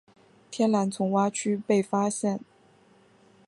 天蓝丛蛙区被发现。